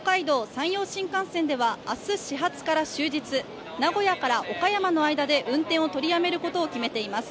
山陽新幹線では明日、始発から終日名古屋から岡山の間で運転を取りやめることを決めています。